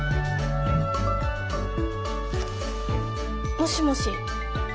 もしもし。